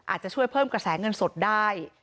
อาจจะช่วยเพิ่มกระแสเงินสดได้